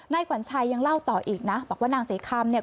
ขวัญชัยยังเล่าต่ออีกนะบอกว่านางศรีคำเนี่ย